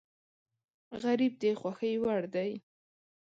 غریب د خوښۍ وړ دی